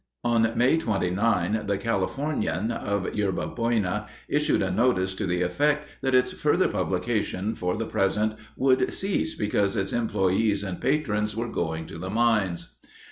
On May 29, the Californian of Yerba Buena issued a notice to the effect that its further publication, for the present, would cease because its employees and patrons were going to the mines.